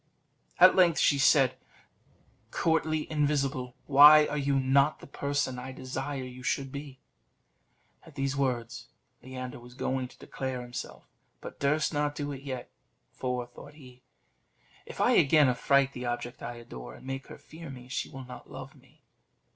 At length she said: "Courtly invisible, why are you not the person I desire you should be?" At these words, Leander was going to declare himself, but durst not do it yet; "For," thought he, "if I again affright the object I adore, and make her fear me, she will not love me."